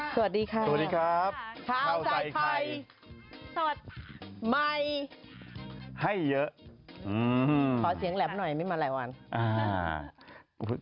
สวัสดีค่ะสวัสดีครับข้าวใส่ไข่สดใหม่ให้เยอะขอเสียงแหลมหน่อยไม่มาหลายวัน